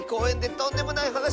とんでもないはなし？